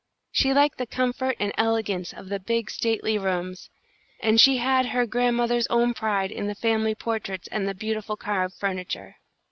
She liked the comfort and elegance of the big, stately rooms, and she had her grandmother's own pride in the old family portraits and the beautiful carved furniture.